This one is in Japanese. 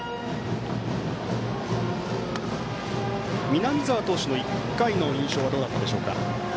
南澤投手の１回の印象はどうだったでしょうか？